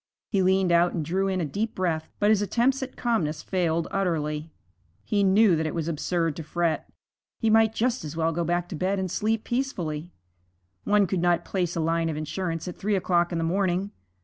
He leaned out and drew in a deep breath, but his attempts at calmness failed utterly. He knew that it was absurd to fret; he might just as well go back to bed and sleep peacefully. One could not place a line of insurance at three o'clock in the morning.